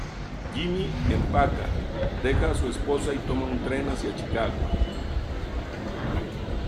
Jimmy empaca, deja a su esposa y toma un tren hacia Chicago.